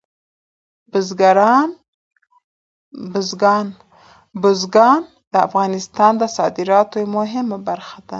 بزګان د افغانستان د صادراتو یوه مهمه برخه ده.